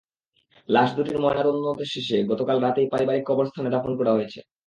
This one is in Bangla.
লাশ দুটির ময়নাতদন্ত শেষে গতকাল রাতেই পারিবারিক কবরস্থানে দাফন করা হয়েছে।